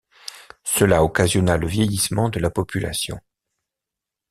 Cela occasionna le vieillissement de la population.